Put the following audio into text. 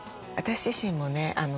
私自身もね